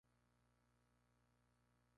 Guerrero de noble estirpe.